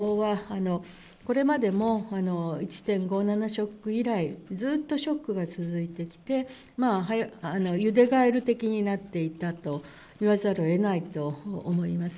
こういう状況は、これまでも１．５７ショック以来、ずっとショックが続いてきて、ゆでガエル的になっていたと言わざるをえないと思います。